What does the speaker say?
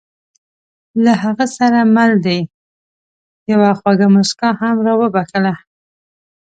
له هغه سره مل دې یوه خوږه موسکا هم را وبښله.